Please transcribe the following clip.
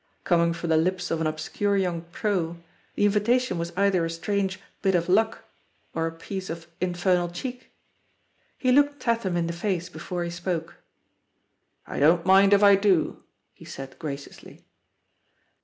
Coming from the lips of an ob scure young "pro," the invitation was either a strange "bit of luck" or a piece of "infernal cheek." He looked Tatham in the face before he spoke. "I don't mind if I do, he said graciously.